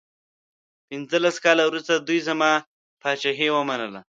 پنځلس کاله وروسته دوی زما پاچهي ومنله.